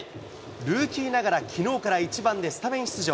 ルーキーながらきのうから１番でスタメン出場。